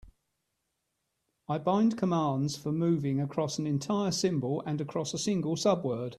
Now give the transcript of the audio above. I bind commands for moving across an entire symbol and across a single subword.